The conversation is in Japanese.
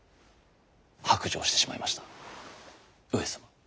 白状してしまいました上様。